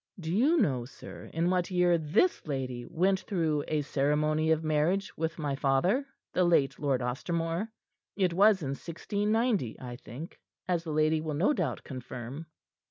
"Do you know, sir, in what year this lady went through a ceremony of marriage with my father the late Lord Ostermore? It was in 1690, I think, as the lady will no doubt confirm."